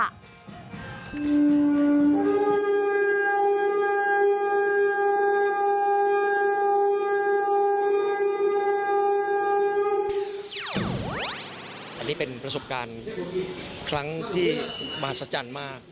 อันนี้เป็นประสบการณ์ครั้งที่มหัศจรรย์มาก